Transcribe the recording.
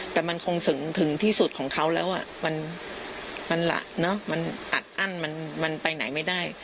แต่มันคงถึงที่สุดของเขาแล้วมันอัดอั้นมันไปไหนไม่ได้